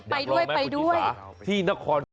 ไปด้วยไปด้วย